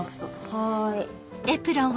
はい。